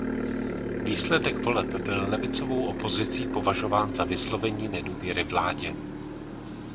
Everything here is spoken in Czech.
Výsledek voleb byl levicovou opozicí považován za vyslovení nedůvěry vládě.